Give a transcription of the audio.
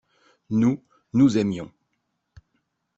Nous, nous aimions.